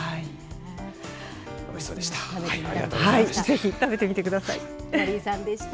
おいしそうでした。